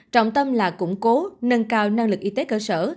trọng tâm là củng cố nâng cao năng lực y tế cơ sở